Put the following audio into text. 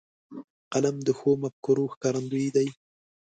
قلم د ښو مفکورو ښکارندوی دی